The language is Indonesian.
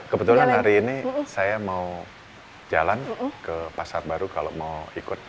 kebetulan hari ini saya mau jalan ke pasar baru kalau mau ikut